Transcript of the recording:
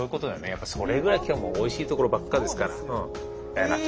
やっぱそれぐらい今日はもうおいしいところばっかですから。